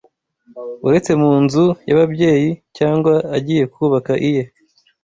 uretse mu nzu y’ababyeyi cyangwa agiye kubaka iye